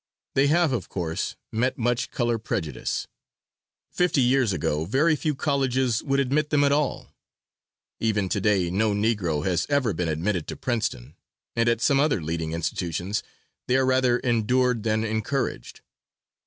They have, of course, met much color prejudice. Fifty years ago very few colleges would admit them at all. Even to day no Negro has ever been admitted to Princeton, and at some other leading institutions they are rather endured than encouraged.